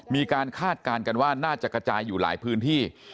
คาดการณ์กันว่าน่าจะกระจายอยู่หลายพื้นที่